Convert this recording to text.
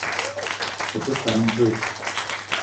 Ou te pam vé?